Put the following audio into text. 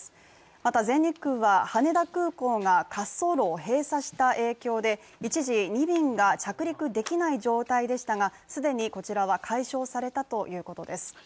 また全日空は羽田空港が滑走路を閉鎖した影響で一時、２便が着陸できない状態でしたが、既にこちらは解消されたということです。